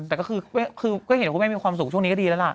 แต่ก็คือก็เห็นว่าคุณแม่มีความสุขช่วงนี้ก็ดีแล้วล่ะ